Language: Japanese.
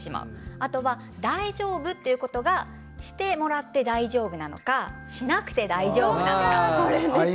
あとは大丈夫という言葉はしてもらって大丈夫なのかしなくて大丈夫なのか。